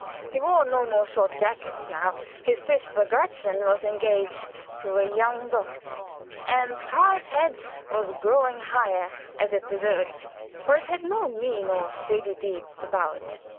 He wore no more short jackets now; his sister Gretchen was engaged to a young doctor, and Karl's head was growing higher as it deserved for it had no mean or shady deeds to bow it.